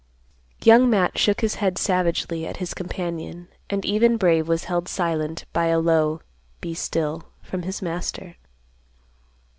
Young Matt shook his head savagely at his companion, and even Brave was held silent by a low "Be still" from his master.